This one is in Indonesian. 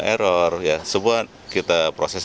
itu semua akan berproses